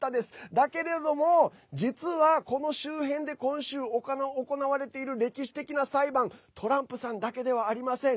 だけれども、実はこの周辺で今週、行われている歴史的な裁判トランプさんだけではありません。